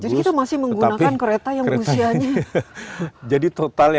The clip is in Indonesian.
jadi kita masih menggunakan kereta yang usianya